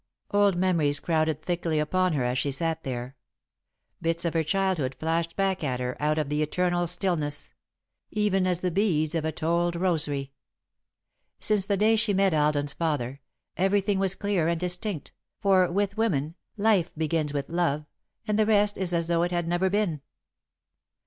Old memories crowded thickly upon her as she sat there. Bits of her childhood flashed back at her out of the eternal stillness, "even as the beads of a told rosary." Since the day she met Alden's father, everything was clear and distinct, for, with women, life begins with love and the rest is as though it had never been.